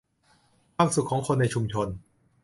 ความสุขของคนในชุมชน